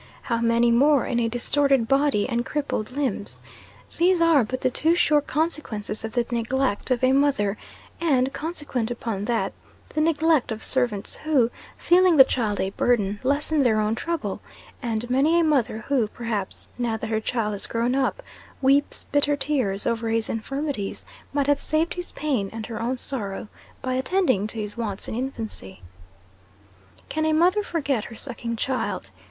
how many more in a distorted body and crippled limbs! These are but the too sure consequences of the neglect of a mother, and, consequent upon that, the neglect of servants, who, feeling the child a burden, lessen their own trouble; and many a mother who, perhaps, now that her child has grown up, weeps bitter tears over his infirmities, might have saved his pain and her own sorrow by attending to his wants in infancy. "Can a mother forget her sucking child?"